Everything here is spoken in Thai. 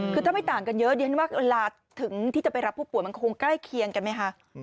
คือถ้าไม่ต่างกันเยอะดิฉันว่าเวลาถึงที่จะไปรับผู้ป่วยมันคงใกล้เคียงกันไหมคะ